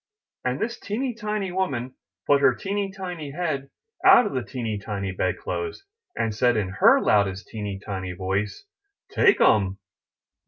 '^ And this teeny tiny woman put her teeny tiny head out of the teeny tiny bed clothes, and said in her loudest teeny tiny voice: "TAKE 'EM!"